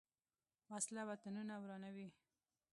وسله وطنونه ورانوي